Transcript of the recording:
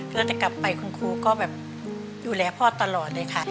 แล้วจะกลับไปคุณครูก็แบบดูแลพ่อตลอดเลยค่ะ